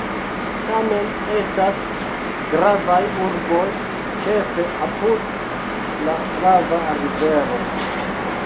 Tamen estas gravaj urboj, ĉefe apud la Flava Rivero.